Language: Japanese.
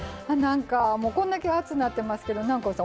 こんだけ暑なってますけど南光さん